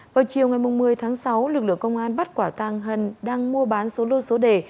vào chiều ngày một mươi tháng sáu lực lượng công an bắt quả tàng hần đang mua bán số lô số đề